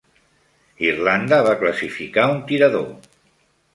Irlanda va classificar un tirador.